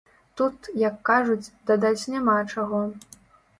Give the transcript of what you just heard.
Тут, як кажуць, дадаць няма чаго.